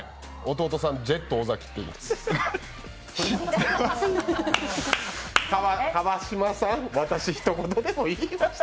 弟さん、ジェット尾崎さんって言います。